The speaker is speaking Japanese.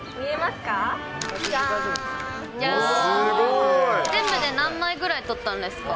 すごい！全部で何枚ぐらい撮ったんですか。